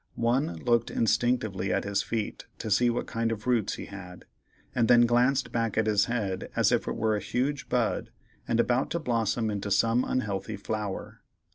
One looked instinctively at his feet to see what kind of roots he had, and then glanced back at his head as if it were a huge bud, and about to blossom into some unhealthy flower.